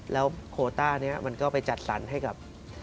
แล้วโคต้านี้มันก็ไปจัดสรรให้กับ